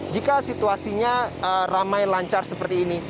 jika situasinya ramai lancar seperti ini